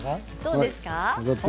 どうですか？